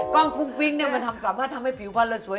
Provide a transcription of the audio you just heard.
กล้องฟุ้งฟิ้งมันมีความสามารถทำให้ผิวฟั่งได้สวย